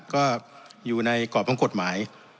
ก็อยู่ในกรอบของกฎหมาย